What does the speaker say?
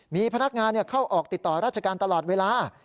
มีพนักงานเข้าออกติดต่อราชการตลอดเวลา